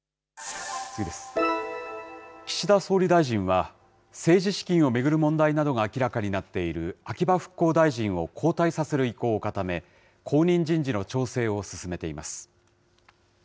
岸田総理大臣は、政治資金を巡る問題などが明らかになっている秋葉復興大臣を交代させる意向を固め、後任人事の調整を進めています。